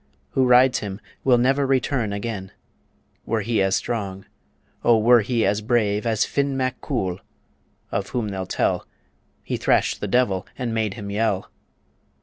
Who rides him will never return again, Were he as strong, O were he as brave As Fin mac Coul, of whom they'll tell He thrashed the devil and made him yell.